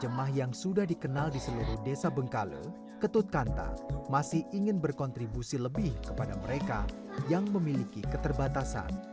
jemaah yang sudah dikenal di seluruh desa bengkale ketut kanta masih ingin berkontribusi lebih kepada mereka yang memiliki keterbatasan